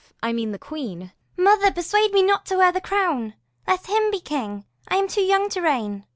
I mean the queen. P. Edw. Mother, persuade me not to wear the crown: Let him be king; I am too young to reign.